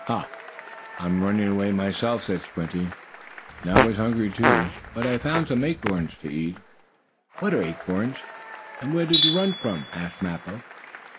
"Ha! I'm running away myself," said Squinty, "and I was hungry too, but I found some acorns to eat." "What are acorns, and where did you run from?" asked Mappo.